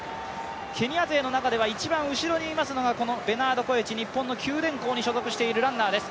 ケニア勢の中では一番後ろにいますのがベナード・コエチ、日本の九電工に所属しているランナーです。